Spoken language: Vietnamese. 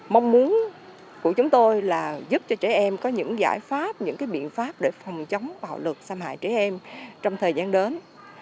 mong muốn của chúng tôi là giúp cho trẻ em có những giải pháp những biện pháp để phòng chống bạo lực xâm hại trẻ em trong thời gian đến